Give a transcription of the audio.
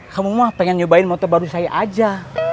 kamu mah pengen nyobain motor baru saya aja